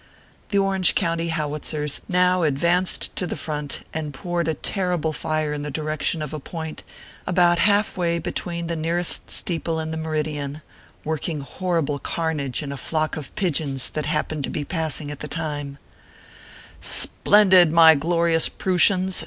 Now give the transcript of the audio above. The Orange County Howitzers now advanced to O / the front, and poured a terrible fire in the direction of a point about half way between the nearest steeple and the meridian, working horrible carnage in a flock of pigeons that happened to be passing at the time. ORPHEUS C. KERR PAPERS. 311 " Splendid, my glorious Prooshians